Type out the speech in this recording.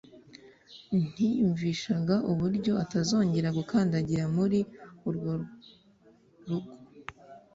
ntiyumvishaga uburyo atazongera gukandagira muri urwo rugo